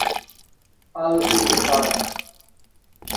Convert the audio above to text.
Al Etihad